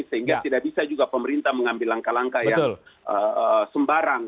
sehingga tidak bisa juga pemerintah mengambil langkah langkah yang sembarang